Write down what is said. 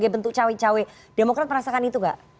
bentuk cewek cewek demokrasi merasakan itu gak